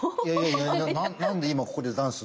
いやいや何で今ここでダンス？